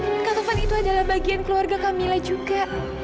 tapi eyang kak taufan itu adalah bagian keluarga kak mila juga